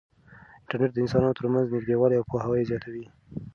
انټرنیټ د انسانانو ترمنځ نږدېوالی او پوهاوی زیاتوي.